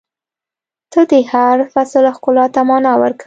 • ته د هر فصل ښکلا ته معنا ورکوې.